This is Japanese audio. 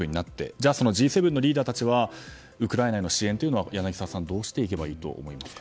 じゃあ、Ｇ７のリーダーたちはウクライナへの支援は柳澤さんどうしていけばいいと思いますか。